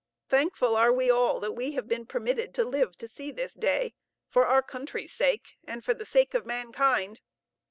Thankful are we all that we have been permitted to live to see this day, for our country's sake, and for the sake of mankind.